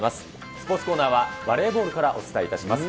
スポーツコーナーはバレーボールからお伝えいたします。